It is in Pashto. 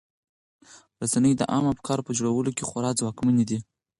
رسنۍ د عامه افکارو په جوړولو کې خورا ځواکمنې دي.